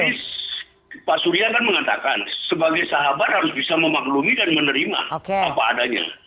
tapi pak surya kan mengatakan sebagai sahabat harus bisa memaklumi dan menerima apa adanya